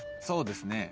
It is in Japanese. そうですね。